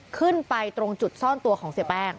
ขึ้นไปตรงจุดซ่อนตัวของเสียแป้ง